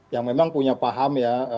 yang memang punya paham ya